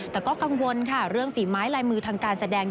แต่ก็กังวลค่ะเรื่องฝีไม้ลายมือทางการแสดง